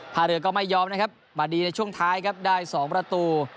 ท่าเรือก็ไม่ยอมนะครับมาดีในช่วงท้ายครับได้๒ประตู